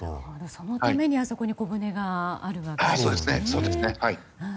そのために小船があるわけですね。